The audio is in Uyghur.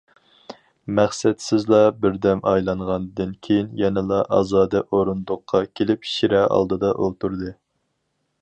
مەقسەتسىزلا بىردەم ئايلانغاندىن كېيىن يەنىلا ئازادە ئورۇندۇققا كېلىپ شىرە ئالدىدا ئولتۇردى.